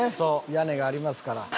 屋根がありますから。